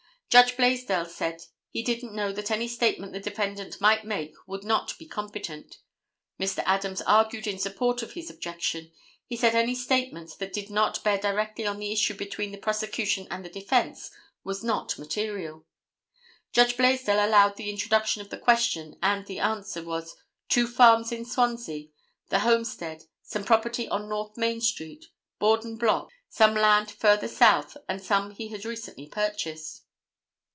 Judge Blaisdell said he didn't know that any statement the defendant might make would not be competent. Mr. Adams argued in support of his objection. He said any statement that did not bear directly on the issue between the prosecution and the defence was not material. Judge Blaisdell allowed the introduction of the question and the answer was "two farms in Swansea, the homestead, some property on North Main street, Borden Block, some land further south and some he had recently purchased."